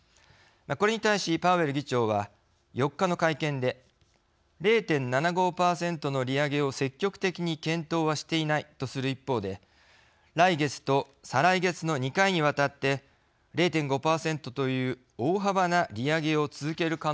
これに対しパウエル議長は４日の会見で「０．７５％の利上げを積極的に検討はしていない」とする一方で来月と再来月の２回にわたって０．５％という大幅な利上げを続ける可能性を示しました。